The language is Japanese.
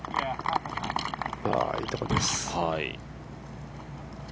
いいところです。